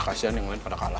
kasian yang mungkin pada kalah